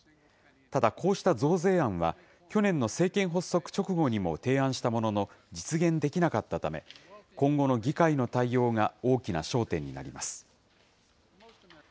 ただ、こうした増税案は、去年の政権発足直後にも提案したものの、実現できなかったため、今後の議会の対応が大きな焦点になります。